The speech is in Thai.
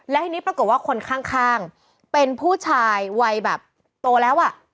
และทีนี้ปรากฏว่าคนข้างเป็นผู้ชายวัยแบบโตแล้วอ่ะ